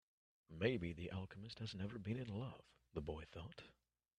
Maybe the alchemist has never been in love, the boy thought.